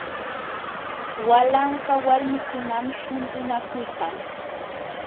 Walanqa walmikunam shuntunakuykan.